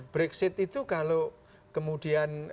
brexit itu kalau kemudian